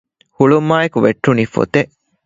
ހުޅުވުމާއިއެކު ވެއްޓުނީ ފޮތެއް